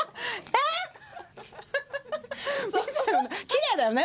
きれいだよね